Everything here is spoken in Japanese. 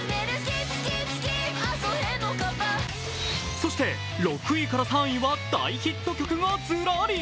そして６位から３位は大ヒットがずらり。